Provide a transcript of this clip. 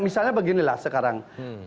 misalnya beginilah sekarang